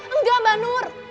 enggak mbak nur